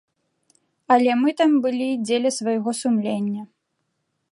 Але мы там былі дзеля свайго сумлення.